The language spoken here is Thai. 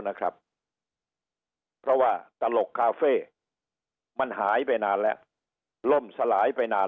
นะครับเพราะว่าตลกคาเฟ่มันหายไปนานแล้วล่มสลายไปนาน